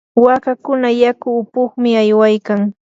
waakakuna yaku upuqmi aywaykayan.